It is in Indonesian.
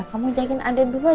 kamu jagain adek dulu aja